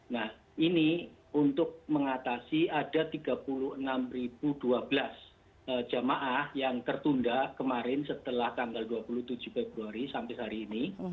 nah ini untuk mengatasi ada tiga puluh enam dua belas jemaah yang tertunda kemarin setelah tanggal dua puluh tujuh februari sampai hari ini